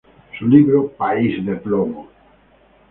Su libro "País de plomo.